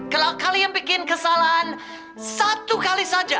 kalau kalian bikin kesalahan satu kali saja